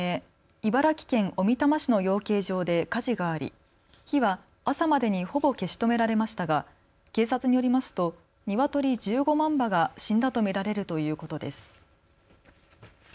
茨城県小美玉市の養鶏場で火事があり火は朝までにほぼ消し止められましたが警察によりますと鶏１５万羽が死んだと見られるということです。